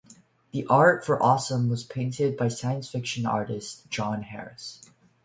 The box art for Awesome was painted by science fiction artist John Harris.